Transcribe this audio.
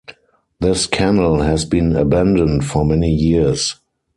This canal has been abandoned for many years.